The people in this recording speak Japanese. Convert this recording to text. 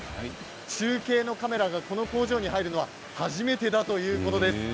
中継のカメラがこの工場に入るのは初めてだということです。